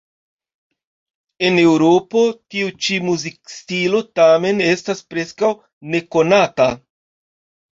En Eŭropo tiu ĉi muzikstilo tamen estas preskaŭ nekonata.